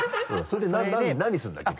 何するんだっけ？